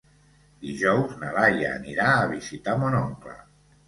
Dijous na Laia anirà a visitar mon oncle.